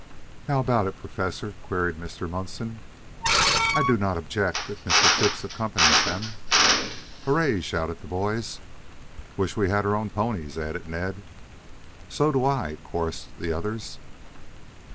"How about it, Professor?" queried Mr. Munson. "I do not object if Mr. Phipps accompanies them." "Hooray!" shouted the boys. "Wish we had our own ponies," added Ned. "So do I," chorused the others.